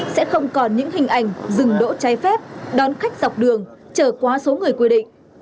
sẽ không còn những hình ảnh dừng đỗ trái phép đón khách dọc đường trở quá số người quy định